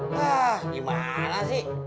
nah gimana sih